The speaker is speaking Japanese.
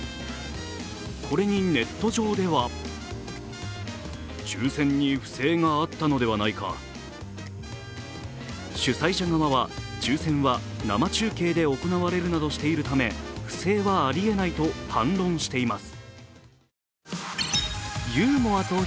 これにネット上では主催者側は抽選は生中継で行われるなどしているため不正はありえないと反論しています。